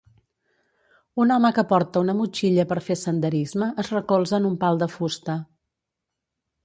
Un home que porta una motxilla per fer senderisme es recolza en un pal de fusta.